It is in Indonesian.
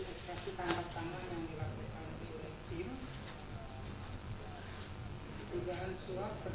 operasi tanpa tanah yang dilakukan oleh